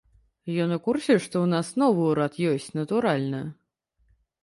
Ён у курсе, што ў нас новы ўрад ёсць, натуральна.